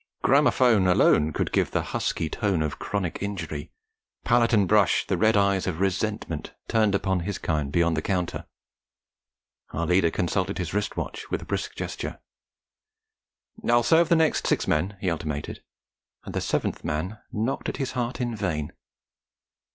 Gramophone alone could give the husky tone of chronic injury, palette and brush the red eyes of resentment turned upon his kind beyond the counter. Our leader consulted his wrist watch with a brisk gesture. 'I'll serve the next six men,' he ultimated, and the seventh man knocked at his heart in vain.